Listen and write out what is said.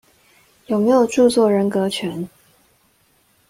有沒有著作人格權？